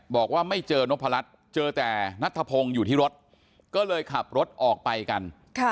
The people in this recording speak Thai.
บอกว่าไม่เจอนพรัชเจอแต่นัทธพงศ์อยู่ที่รถก็เลยขับรถออกไปกัน